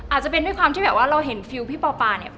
อาจจะเป็นด้วยความที่แบบว่าเราเห็นฟิลพี่ปอปาเนี่ย